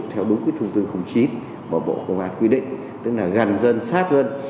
theo đúng thông tin khủng trí mà bộ công an quy định tức là gần dân sát dân